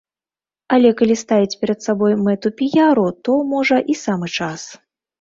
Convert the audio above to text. Але калі ставіць перад сабой мэту піяру, то, можа, і самы час.